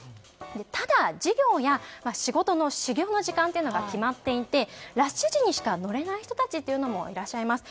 ただ、授業や仕事の始業の時間が決まっていてラッシュ時にしか乗れない人たちもいらっしゃいます。